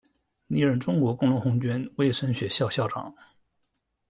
历任中国工农红军卫生学校校长。